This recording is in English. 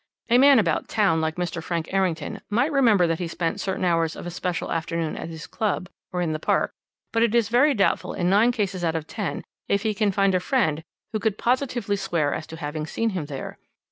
A man about town like Mr. Frank Errington might remember that he spent certain hours of a special afternoon at his club, or in the Park, but it is very doubtful in nine cases out of ten if he can find a friend who could positively swear as to having seen him there.